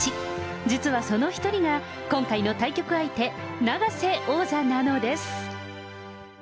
実はその一人が、今回の対局相手、永瀬王座なのです。